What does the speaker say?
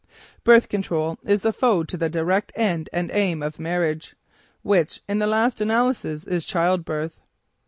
"Birth control" is the foe to the direct end and aim of marriage, which, in the last analysis, is childbirth.